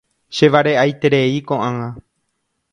Chevare'aiterei ko'ág̃a.